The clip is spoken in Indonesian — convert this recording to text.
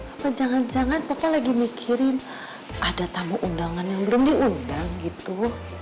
apa jangan jangan pokoknya lagi mikirin ada tamu undangan yang belum diundang gitu